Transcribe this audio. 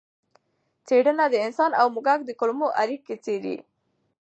څېړنه د انسان او موږک د کولمو اړیکې څېړي.